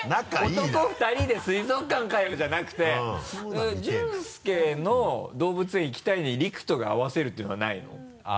「男２人で水族館かよ」じゃなくて淳介の「動物園行きたい」に陸斗が合わせるっていうのはないの？